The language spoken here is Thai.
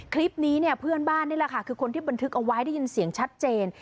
คลิปนี้เนี่ยเพื่อนบ้านนี่แหละค่ะคือคนที่บันทึกเอาไว้ได้ยินเสียงชัดเจน